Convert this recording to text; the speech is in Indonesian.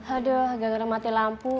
aduh gagal mati lampu